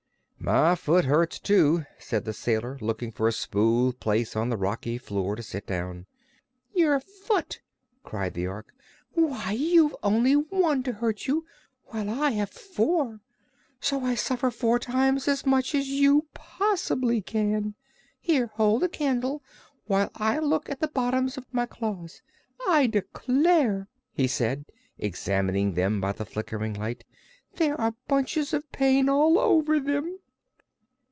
"My foot hurts, too," said the sailor, looking for a smooth place on the rocky floor to sit down. "Your foot!" cried the Ork. "why, you've only one to hurt you, while I have four. So I suffer four times as much as you possibly can. Here; hold the candle while I look at the bottoms of my claws. I declare," he said, examining them by the flickering light, "there are bunches of pain all over them!"